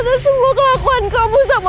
sayang diam diam diam